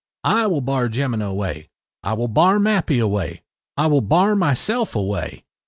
I will bar Jemina away. I will bar Mappy away. I will bar myself away.